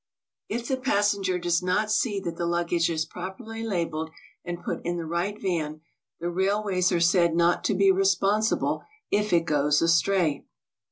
If the passen ger does not see that the luggage is properly labelled and put in the right van, the railways are said not to be responsi ble if it goes astray.